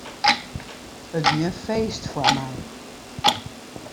It wie in feest foar my.